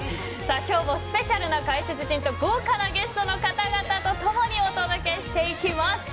今日もスペシャルな解説陣と豪華なゲストの方々と共にお届けしていきます。